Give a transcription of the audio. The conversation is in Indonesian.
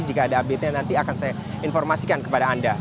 jika ada update nya nanti akan saya informasikan kepada anda